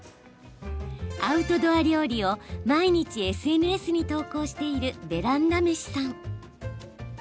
アウトドア料理を毎日ＳＮＳに投稿しているベランダ飯さん。